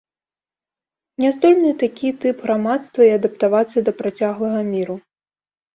Няздольны такі тып грамадства і адаптавацца да працяглага міру.